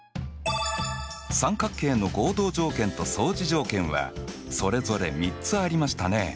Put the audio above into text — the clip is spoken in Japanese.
三角形の合同条件と相似条件はそれぞれ３つありましたね。